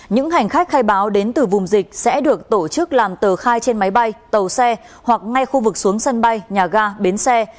những hành khách khai báo đến từ vùng dịch sẽ được tổ chức làm tờ khai trên máy bay tàu xe hoặc ngay khu vực xuống sân bay nhà ga bến xe